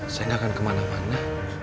saya nggak akan kemana mana